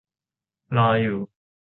รออยู่